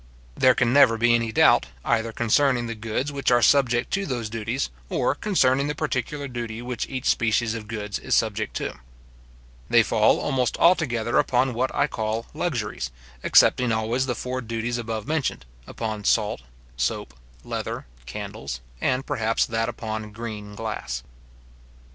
There can never be any doubt, either concerning the goods which are subject to those duties, or concerning the particular duty which each species of goods is subject to. They fall almost altogether upon what I call luxuries, excepting always the four duties above mentioned, upon salt, soap, leather, candles, and perhaps that upon green glass.